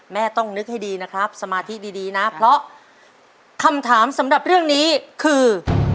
ต้องนึกให้ดีนะครับสมาธิดีนะเพราะคำถามสำหรับเรื่องนี้คือ